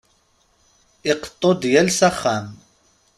Iqeṭṭu-d yal s axxam.